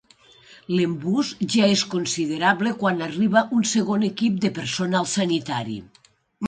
L'embús ja és considerable quan arriba un segon equip de personal sanitari.